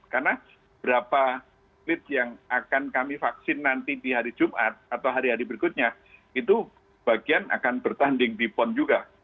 karena berapa klit yang akan kami vaksin nanti di hari jumat atau hari hari berikutnya itu bagian akan bertanding di pon juga